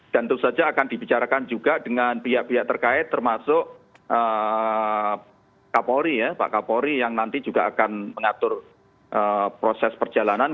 dan itu saja akan dibicarakan juga dengan pihak pihak terkait termasuk kapolri ya pak kapolri yang nanti juga akan mengatur proses perjalanan